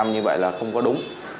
như vậy là không có đúng